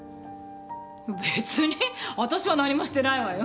別にわたしは何もしてないわよ。